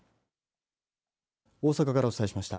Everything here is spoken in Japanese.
大阪からお伝えしました。